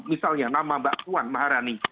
misalnya nama mbak puan maharani